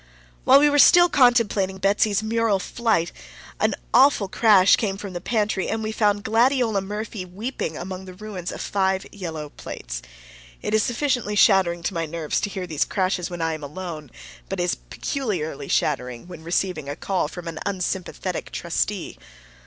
While we were still contemplating Betsy's mural flight, an awful crash came from the pantry, and we found Gladiola Murphy weeping among the ruins of five yellow plates. It is sufficiently shattering to my nerves to hear these crashes when I am alone, but it is peculiarly shattering when receiving a call from an unsympathetic trustee.